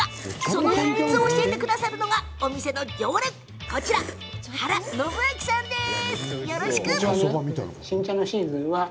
その秘密を教えてくれるのがお店の常連こちら、原伸明さんです。